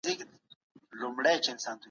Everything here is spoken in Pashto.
قصاص د ژوند د بقا لپاره دی.